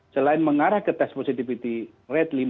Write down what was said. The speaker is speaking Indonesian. selain mengarah ke test positivity rate